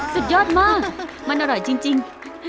สุดยอดมากมันอร่อยจริง